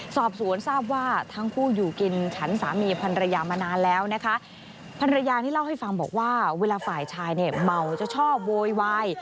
สอบสวนทราบว่าทั้งคู่อยู่กินฉันสามีพันรยามานานแล้วนะคะภรรยานี่เล่าให้ฟังบอกว่าเวลาฝ่ายชายเนี่ยเมาจะชอบโวยวาย